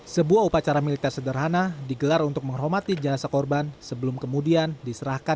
sebuah upacara militer sederhana digelar untuk menghormati jenazah korban sebelum kemudian diserahkan